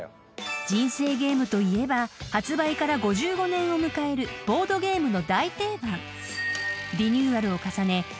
［人生ゲームといえば発売から５５年を迎えるボードゲームの大定番］